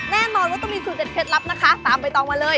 แน่นอนว่าต้องมีสูตรเด็ดเคล็ดลับนะคะตามใบตองมาเลย